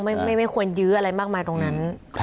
ไม่ควรยื้ออะไรมากมายตรงนั้น